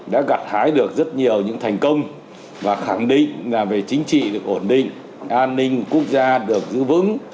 đã gặt hái được rất nhiều những thành công và khẳng định là về chính trị được ổn định an ninh quốc gia được giữ vững